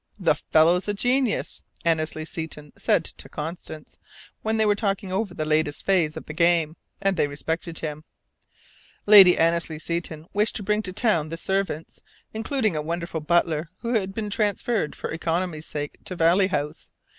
"The fellow's a genius!" Annesley Seton said to Constance, when they were talking over the latest phase of the game. And they respected him. Lady Annesley Seton wished to bring to town the servants, including a wonderful butler, who had been transferred for economy's sake to Valley House.